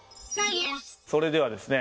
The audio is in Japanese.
それではですね